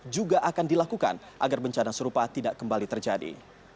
juga akan dilakukan agar bencana serupa tidak kembali terjadi